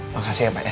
makasih ya pak